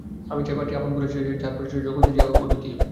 আমি চাই পাত্রী আপন পরিচয়েই যার পরিচয়, জগতে যে অদ্বিতীয়।